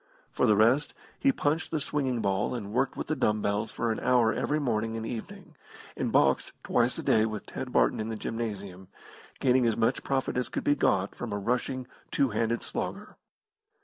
For the rest, he punched the swinging ball and worked with the dumb bells for an hour every morning and evening, and boxed twice a day with Ted Barton in the gymnasium, gaining as much profit as could be got from a rushing, two handed slogger.